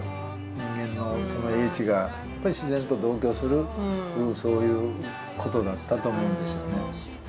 人間の英知がやっぱり自然と同居するそういうことだったと思うんですよね。